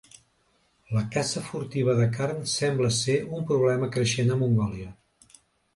La caça furtiva de carn sembla ser un problema creixent a Mongòlia.